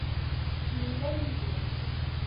Yemlal yid-i.